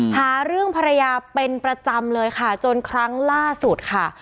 หาเรื่องภรรยาเป็นประจำเลยค่ะจนครั้งล่าสุดค่ะ